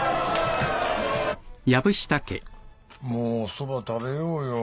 もうそば食べようよ。